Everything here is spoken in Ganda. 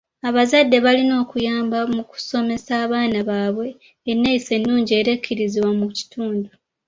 Abazadde balina okuyamba mu kusomesa abaana baabwe enneyisa ennungi era ekirizibwa mu kitundu.